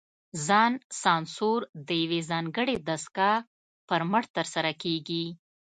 ځان سانسور د یوې ځانګړې دستګاه پر مټ ترسره کېږي.